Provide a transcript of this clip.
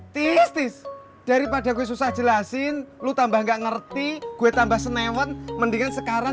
tiris tis daripada gue susah jelasin lu tambah nggak ngerti gue tambah senewan mendingan sekarang